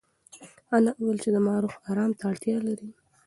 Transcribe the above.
انا وویل چې زما روح ارام ته اړتیا لري.